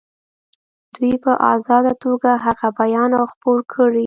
دوی په آزاده توګه هغه بیان او خپور کړي.